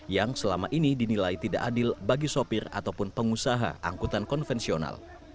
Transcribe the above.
yang selama ini dinilai tidak adil bagi sopir ataupun pengusaha angkutan konvensional